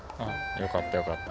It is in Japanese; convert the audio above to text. よかったよかった。